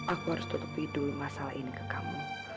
aku harus tutupi dulu masalah ini ke kamu